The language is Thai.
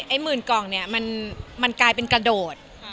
หมื่นกล่องเนี่ยมันกลายเป็นกระโดด